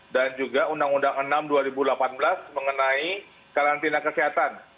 dan juga undang undang enam dua ribu delapan belas mengenai karantina kesehatan